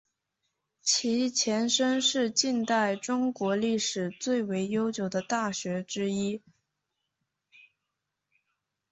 其前身是近代中国历史最为悠久的大学之一。